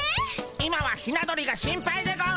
今はヒナ鳥が心配でゴンス。